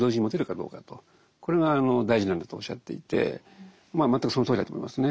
これが大事なんだとおっしゃっていて全くそのとおりだと思いますね。